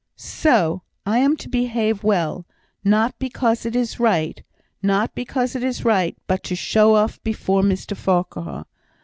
"So! I am to behave well, not because it is right not because it is right but to show off before Mr Farquhar.